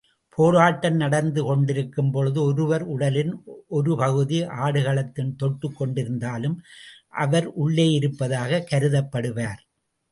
போராட்டம் நடந்து கொண்டிருக்கும்பொழுது, ஒருவர் உடலின் ஒரு பகுதி ஆடுகளத்தினுள் தொட்டுக் கொண்டிருந்தாலும் அவர் உள்ளேயிருப்பதாகக் கருதப்படுவார்.